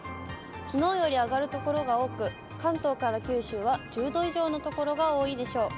きのうより上がる所が多く、関東から九州は１０度以上の所が多いでしょう。